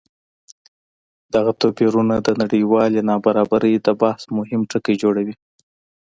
دغه توپیرونه د نړیوالې نابرابرۍ د بحث مهم ټکی جوړوي.